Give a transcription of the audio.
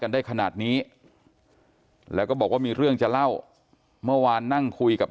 ได้ขนาดนี้แล้วก็บอกว่ามีเรื่องจะเล่าเมื่อวานนั่งคุยกับ